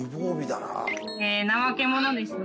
ナマケモノですね。